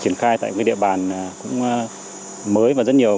triển khai tại những địa bàn mới và rất nhiều